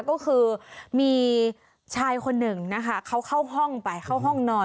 ก็คือมีชายคนหนึ่งนะคะเขาเข้าห้องไปเข้าห้องนอน